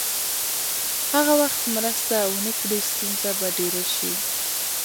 که هغه مرسته ونکړي، ستونزه به ډېره شي.